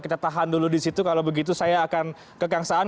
kita tahan dulu di situ kalau begitu saya akan ke kang saan